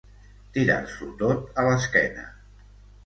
Tirar-s'ho tot a l'esquena.